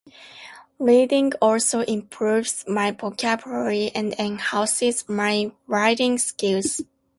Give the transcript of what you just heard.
Reading also improves my vocabulary and enhances my writing skills.